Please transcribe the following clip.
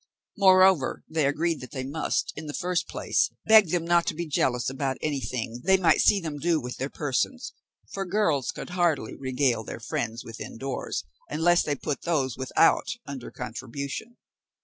Moreover they agreed that they must, in the first place, beg them not to be jealous about anything they might see them do with their persons; for girls could hardly regale their friends within doors, unless they put those without under contribution.